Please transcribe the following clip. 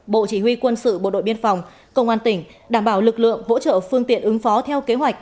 bộ chỉ huy quân sự bộ đội biên phòng công an tỉnh đảm bảo lực lượng hỗ trợ phương tiện ứng phó theo kế hoạch